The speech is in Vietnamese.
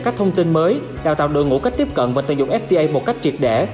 các thông tin mới đào tạo đội ngũ cách tiếp cận và tận dụng fta một cách triệt để